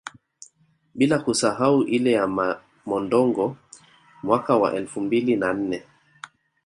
Bila kusahau ile ya Mondongo mwaka wa elfu mbili na nne